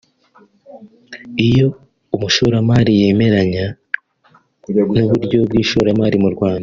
“Iyo umushoramri yemeranya n’uburyo bw’ishoramari mu Rwanda